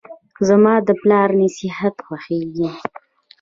زماد پلار نصیحت خوښیږي.